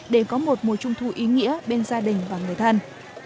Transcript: để có một mùa trung thu ý nghĩa bên gia đình và người thân